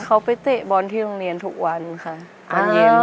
เขาไปเตะบอลที่โรงเรียนทุกวันค่ะตอนเย็น